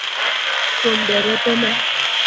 Kuom derepe ma